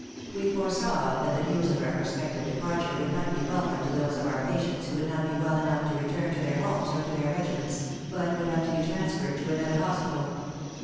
We foresaw that the news of our prospective departure would not be welcome to those of our patients who would not be well enough to return to their homes or to their regiments, but would have to be transferred to another hospital.